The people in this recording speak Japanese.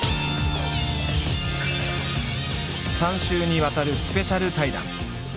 ３週にわたるスペシャル対談。